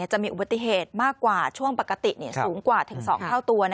จะมีอุบัติเหตุมากกว่าช่วงปกติสูงกว่าถึง๒เท่าตัว